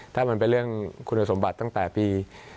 ถ้ามันเป็นเรื่องคุณสมบัติตั้งแต่ปี๒๕๖